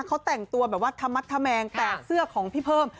เขาแต่งตัวแบบว่าธมัดธแมงแตกเสื้อของพี่เพิ่ม